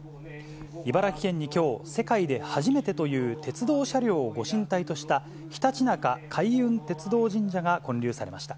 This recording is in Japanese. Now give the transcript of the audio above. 茨城県にきょう、世界で初めてという、鉄道車両をご神体とした、ひたちなか開運鐵道神社が建立されました。